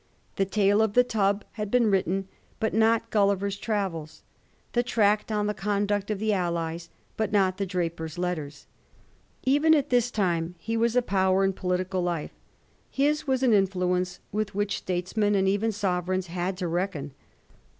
The ^ Tale of a Tub ' had been written, but not * Gulliver's Travels ;' the tract on * The Conduct of the Allies,' but not the * Drapier's Letters.' Even at this time he was a power in political life ; his was an influence with which statesmen and even sovereigns had to reckon.